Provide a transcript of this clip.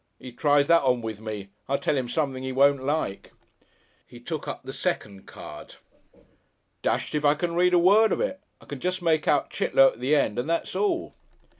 'E trys that on with me, I'll tell 'im something 'e won't like." He took up the second card. "Dashed if I can read a word of it. I can jest make out Chit low at the end and that's all."